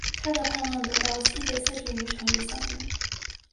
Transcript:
他的叛乱得到西北四十余城的响应。